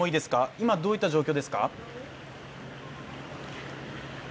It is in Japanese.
今、どういった状況ですか？